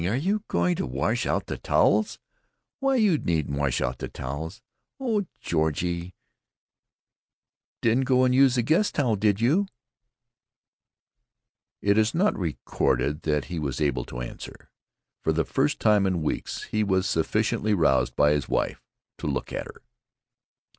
Are you going to wash out the towels? Why, you needn't wash out the towels. Oh, Georgie, you didn't go and use the guest towel, did you?" It is not recorded that he was able to answer. For the first time in weeks he was sufficiently roused by his wife to look at her.